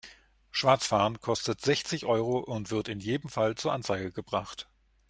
Schwarzfahren kostet sechzig Euro und wird in jedem Fall zur Anzeige gebracht.